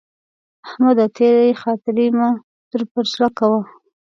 احمده! تېرې خاطرې مه در پر زړه کوه.